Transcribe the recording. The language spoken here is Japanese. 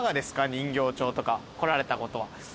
人形町とか来られたことは。